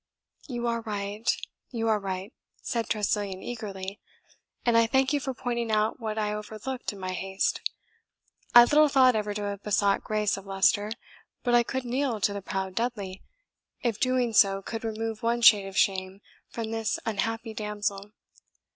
"You are right, you are right!" said Tressilian eagerly, "and I thank you for pointing out what I overlooked in my haste. I little thought ever to have besought grace of Leicester; but I could kneel to the proud Dudley, if doing so could remove one shade of shame from this unhappy damsel.